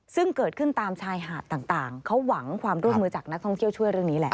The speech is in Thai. ซึ่งเกิดขึ้นตามชายหาดต่างเขาหวังความร่วมมือจากนักท่องเที่ยวช่วยเรื่องนี้แหละ